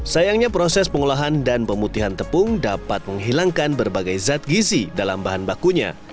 sayangnya proses pengolahan dan pemutihan tepung dapat menghilangkan berbagai zat gizi dalam bahan bakunya